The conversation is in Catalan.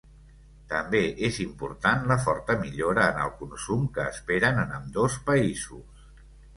També és important la forta millora en el consum que esperen en ambdós països.